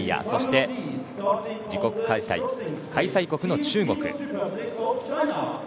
そして自国開催、開催国の中国。